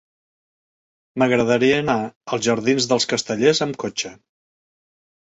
M'agradaria anar als jardins dels Castellers amb cotxe.